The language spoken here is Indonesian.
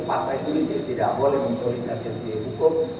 partai politik tidak boleh mempolitisasi hukum